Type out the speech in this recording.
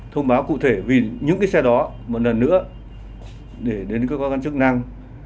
thông báo cụ thể vì những cái xe đó một lần nữa để đến cơ quan chức năng